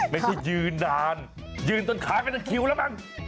ไม่ใช่ยืนนานยืนจนขายเป็นคิวแล้วมั้ง